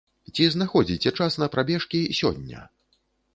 Ці знаходзіце час на прабежкі сёння?